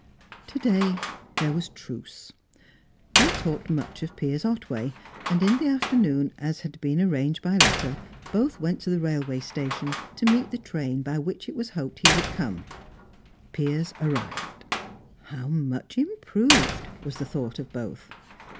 To day there was truce. They talked much of Piers Otway, and in the afternoon, as had been arranged by letter, both went to the railway station, to meet the train by which it was hoped he would come Piers arrived. "How much improved!" was the thought of both.